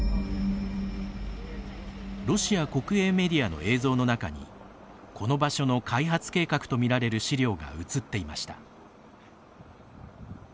ロシア国営メディアの映像の中にこの場所の開発計画とみられる資料が映っていました。